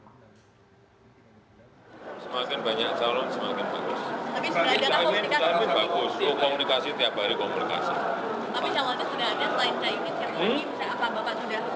tapi calonnya sudah ada selain jokowi bisa apa bapak sudah